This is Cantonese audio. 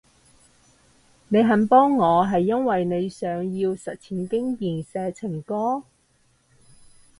你肯幫我係因為你想要實戰經驗寫情歌？